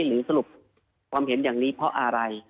หรือสรุปความเห็นอย่างนี้เพราะอะไร